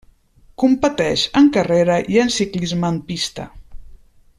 Competeix en carretera i en ciclisme en pista.